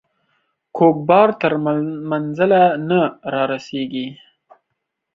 کوږ بار تر منزله نه رارسيږي.